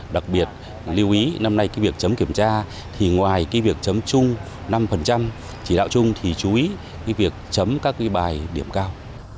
đặc biệt lưu ý năm nay cái việc chấm kiểm tra thì ngoài cái việc chấm chung năm chỉ đạo chung thì chú ý cái việc chấm các cái bài điểm cao